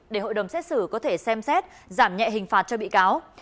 để hội đồng xét xử có thể xem xét giảm nhẹ hình phạt cho bị cáo